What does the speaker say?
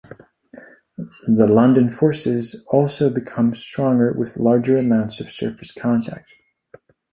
The London forces also become stronger with larger amounts of surface contact.